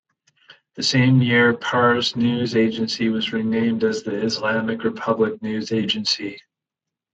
The same year Pars News Agency was renamed as the Islamic Republic News Agency.